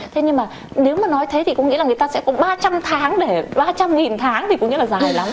thế nhưng mà nếu mà nói thế thì có nghĩa là người ta sẽ có ba trăm linh tháng để ba trăm linh tháng thì cũng như là dài lắm